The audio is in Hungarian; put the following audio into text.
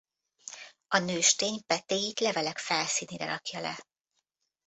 A nőstény petéit levelek felszínére rakja le.